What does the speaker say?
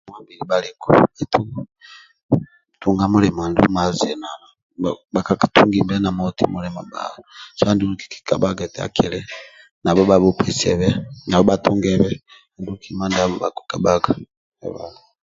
Tunga mulimo mazinana bhakatungibe na moti mulimo bba so andulu kikikabhaga eti akili nabho bhabhupesibe nabho bhatungebe kima ndiabho bhakikabhaga